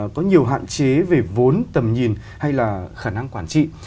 có nhiều hạn chế về vốn tầm nhìn hay là khả năng quản trị